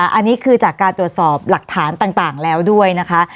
อันนี้คือจากการตรวจสอบหลักฐานต่างแล้วด้วยนะคะ